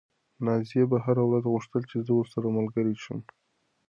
نازيې به هره ورځ غوښتل چې زه ورسره ملګرې شم.